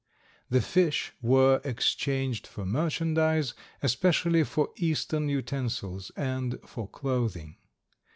The fish were exchanged for merchandise, especially for earthen utensils and for clothing.